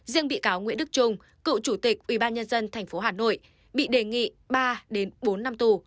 riêng bị cáo nguyễn đức trung cựu chủ tịch ubnd tp hà nội bị đề nghị ba bốn năm tù